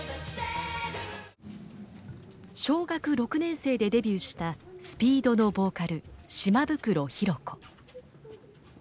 小学６年生でデビューしたＳＰＥＥＤのボーカル島袋寛子。